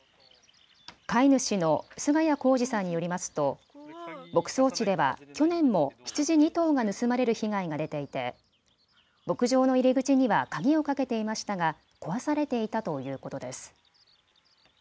飼い主の菅谷幸治さんによりますと牧草地では去年も羊２頭が盗まれる被害が出ていて牧場の入り口には鍵をかけていましたが壊されていたということです。